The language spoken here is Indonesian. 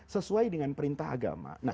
sesuai dengan perintah agama